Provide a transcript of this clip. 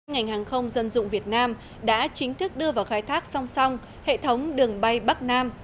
ngành hàng không dân dụng việt nam đã chính thức đưa vào khai thác song song hệ thống đường bay bắc nam